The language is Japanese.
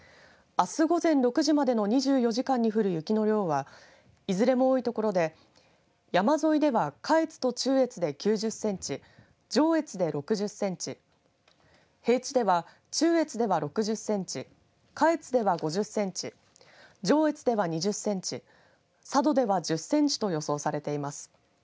あす午前６時までの２４時間に降る雪の量はいずれも多い所で山沿いでは下越と中越で９０センチ上越で６０センチ平地では中越では６０センチ下越では５０センチ上越では２０センチ佐渡では１０センチと予想されています。